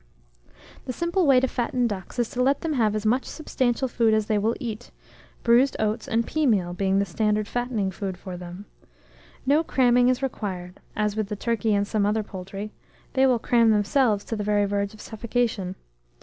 The simple way to fatten ducks is to let them have as much, substantial food as they will eat, bruised oats and pea meal being the standard fattening food for them. No cramming is required, as with the turkey and some other poultry: they will cram themselves to the very verge of suffocation.